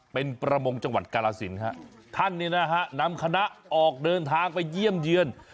เป็นประมงจังหวัดกาลสินฮะท่านเนี่ยนะฮะนำคณะออกเดินทางไปเยี่ยมเยือน